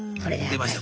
出ました